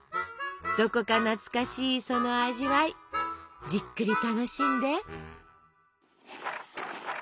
どこか懐かしいその味わいじっくり楽しんで。